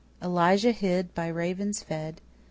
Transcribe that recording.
E ELIJAH hid by Ravens fed.